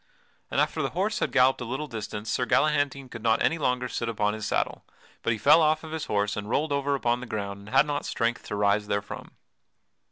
And after the horse had galloped a little distance Sir Galahantine could not any longer sit upon his saddle, but he fell off of his horse and rolled over upon the ground and had not strength to rise therefrom.